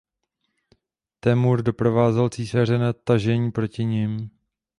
Temür doprovázel císaře na tažení proti nim.